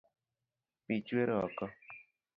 Pii chwer oko